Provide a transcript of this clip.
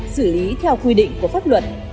xử lý theo quy định của pháp luật